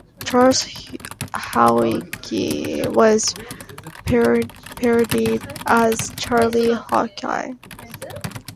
Charles Haughey was parodied as "Charlie Hawkeye".